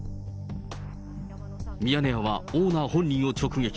ミヤネ屋はオーナー本人を直撃。